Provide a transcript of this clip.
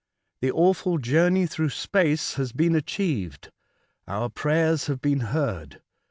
The awful journey through space has been achieved. Our prayers have been heard.